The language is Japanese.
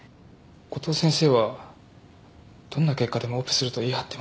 五島先生はどんな結果でもオペすると言い張ってます。